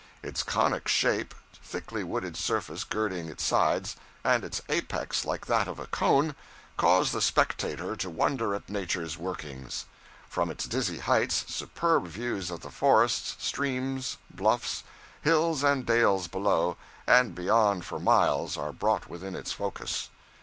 Its conic shape thickly wooded surface girding its sides, and its apex like that of a cone, cause the spectator to wonder at nature's workings. From its dizzy heights superb views of the forests, streams, bluffs, hills and dales below and beyond for miles are brought within its focus.